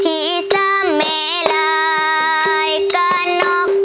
ที่สามแม่ลายกานนก